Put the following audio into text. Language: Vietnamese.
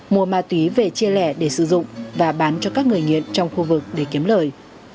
mua ma túy về chia lẻ để sử dụng và bán cho các người nghiện trong khu vực để kiếm lời